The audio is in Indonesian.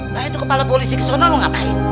nah itu kepala polisi kesana mau ngapain